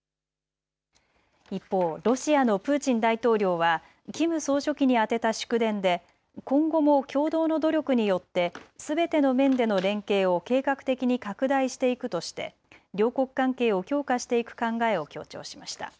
一方、ロシアのプーチン大統領はキム総書記に宛てた祝電で今後も共同の努力によってすべての面での連携を計画的に拡大していくとして両国関係を強化していく考えを強調しました。